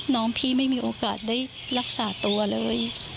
น้องพี่ไม่มีโอกาสได้รักษาตัวเลย